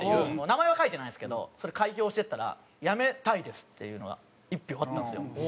名前は書いてないんですけどそれ開票していったらやめたいですっていうのが１票あったんですよ。